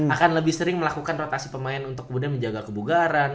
akan lebih sering melakukan rotasi pemain untuk kemudian menjaga kebugaran